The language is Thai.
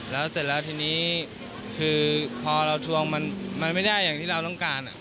แล้วเสร็จแล้วทีนี้คือพอเราทวงมันไม่ได้อย่างที่เราต้องการ